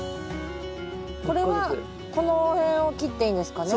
これはこの辺を切っていいんですかね？